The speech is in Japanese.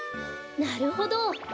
なるほど！